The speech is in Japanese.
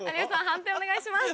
判定お願いします。